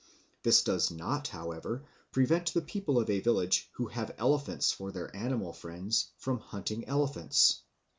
This does not, however, prevent the people of a village, who have elephants for their animal friends, from hunting elephants.